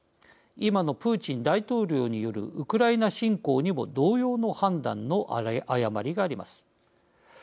今のプーチン大統領によるウクライナ侵攻にも同様の判断の誤りがあります。